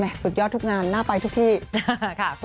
สุดยอดทุกงานน่าไปทุกที่ค่ะ